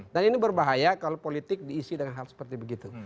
dan ini berbahaya kalau politik diisi dengan hal seperti begitu